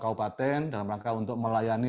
kabupaten dalam rangka untuk melayani